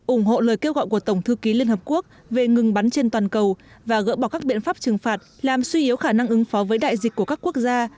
ủng hộ lời kêu gọi của tổng thư ký liên hợp quốc về ngừng bắn trên toàn cầu và gỡ bỏ các biện pháp trừng phạt làm suy yếu khả năng ứng phó với đại dịch của các quốc gia